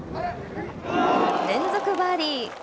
連続バーディー。